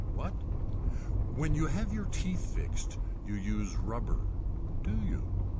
What. When you have your teeth fixed you use rubber. Do you.